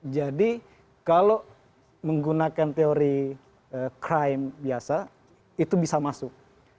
jadi kalau menggunakan teori crime biasa itu bisa masuk